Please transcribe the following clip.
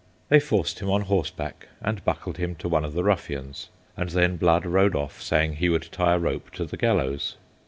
They forced him on horseback, and buckled him to one of the ruffians, and then Blood rode off, saying he would tie a rope to the gallows.